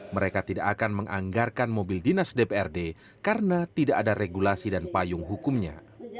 mereka tidak akan menganggarkan mobil dinas dprd karena tidak ada regulasi dan payung hukumnya